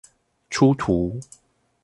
出圖